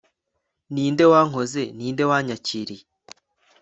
Ninde wankoze ninde wanyakiriye